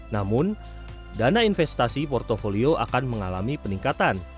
namun dana investasi portfolio akan mengalami peningkatan